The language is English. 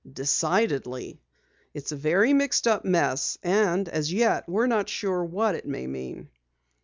"Decidedly. It's a very mixed up mess, and as yet we're not sure what it may mean."